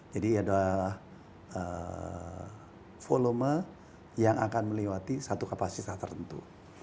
jadi adalah volume yang akan meliwati satu kapasitas tertentu